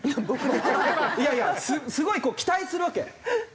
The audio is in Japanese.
いやいやすごい期待するわけ。